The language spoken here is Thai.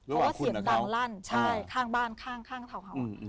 เพราะว่าเสียงดังลั่นใช่ข้างบ้านข้างเทา